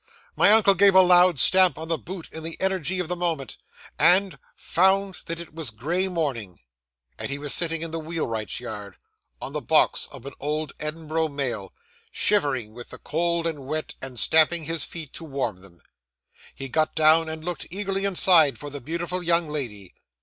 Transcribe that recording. My uncle gave a loud stamp on the boot in the energy of the moment, and found that it was gray morning, and he was sitting in the wheelwright's yard, on the box of an old Edinburgh mail, shivering with the cold and wet and stamping his feet to warm them! He got down, and looked eagerly inside for the beautiful young lady.